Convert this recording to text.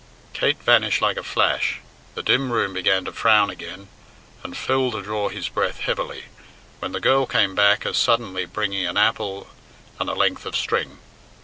Kate vanished like a flash, the dim room began to frown again, and Phil to draw his breath heavily, when the girl came back as suddenly bringing an apple and a length of string.